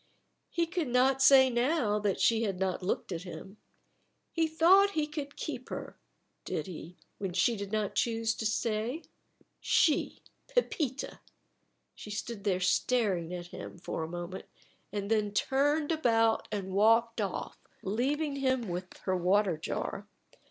He could not say now that she had not looked at him. He thought he could keep her, did he, when she did not choose to stay? She, Pepita! She stood there staring at him for a moment, and then turned about and walked off, leaving him with her water jar.